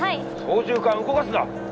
操縦かん動かすな！